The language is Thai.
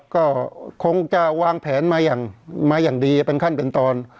ก็คงจะวางแผนมาอย่างดีเป็นขั้นเป็นตอน